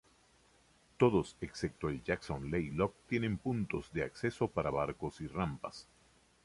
Todos excepto el Jackson Lake Lodge tienen puntos de acceso para barcos y rampas.